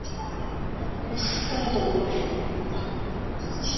这在系统工程和软体工程中是一个共同的角色。